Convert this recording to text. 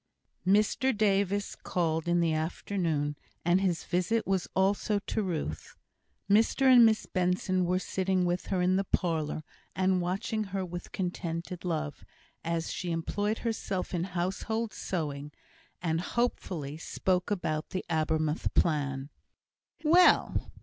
Mr Davis called in the afternoon, and his visit was also to Ruth. Mr and Miss Benson were sitting with her in the parlour, and watching her with contented love, as she employed herself in household sewing, and hopefully spoke about the Abermouth plan. "Well!